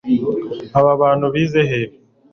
Aba bantu bize hehe